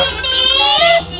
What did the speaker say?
ya tuhan ya tuhan